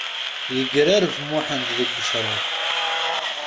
Yegrareb Muḥend deg ucruf.